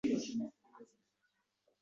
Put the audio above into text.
odamlarni yoʻq qilish